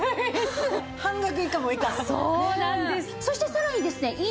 そしてさらにですね